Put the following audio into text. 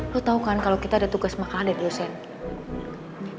lu tahu kan kalo kita ada tugas makanan di lusensi